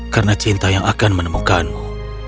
karena cinta yang akan menemukanmu